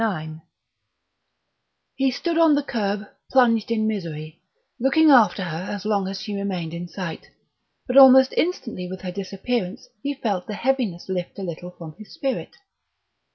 IX He stood on the kerb plunged in misery, looking after her as long as she remained in sight; but almost instantly with her disappearance he felt the heaviness lift a little from his spirit.